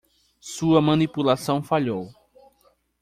Sua manipulação falhou.